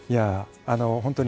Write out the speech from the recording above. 本当に。